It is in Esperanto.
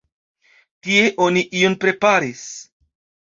Tie oni ion preparis.